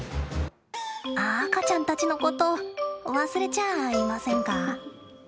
赤ちゃんたちのこと忘れちゃあいませんか？